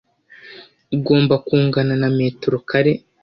ugomba kungana na metero kare